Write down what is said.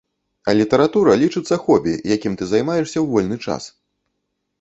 А літаратура лічыцца хобі, якім ты займаешся ў вольны час.